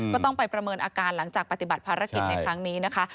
ก็ต้องไปประเมินอาการหลังจากปฏิบัติภารกิจในครั้งนี้นะคะ